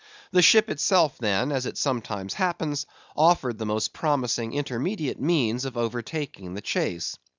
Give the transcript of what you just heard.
The ship itself, then, as it sometimes happens, offered the most promising intermediate means of overtaking the chase.